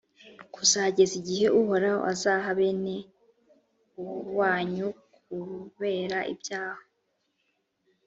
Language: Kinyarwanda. kuzageza igihe uhoraho azaha bene wanyukubera ibyaha